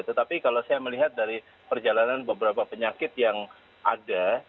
tetapi kalau saya melihat dari perjalanan beberapa penyakit yang ada